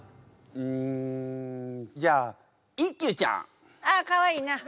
うんじゃあ一休ちゃん。ああかわいいな。